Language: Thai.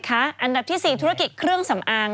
อันดับที่๔ธุรกิจเครื่องสำอาง